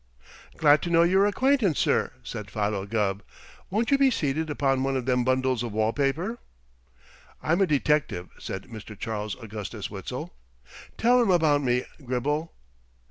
"Glad to know your acquaintance, sir," said Philo Gubb. "Won't you be seated upon one of them bundles of wall paper?" "I'm a detective," said Mr. Charles Augustus Witzel. "Tell him about me, Gribble."